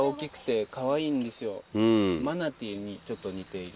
マナティーにちょっと似ている。